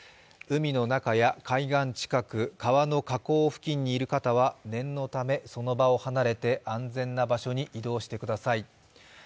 海の中や海岸近く、川の河口近くにいる方は念のため、その場を離れて、安全な場所へ移動してください。